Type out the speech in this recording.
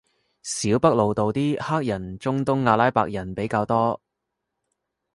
小北路度啲黑人中東阿拉伯人比較多